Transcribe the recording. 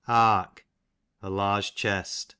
Ark, a large chest. A.